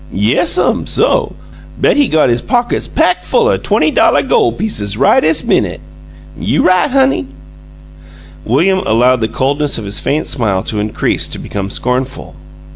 "Yessum, SO! Bet he got his pockets pack' full o' twenty dolluh gol' pieces right iss minute!" "You right, honey!" William allowed the coldness of his faint smile to increase to become scornful.